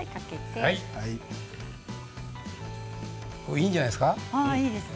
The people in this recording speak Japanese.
いいんじゃないですか。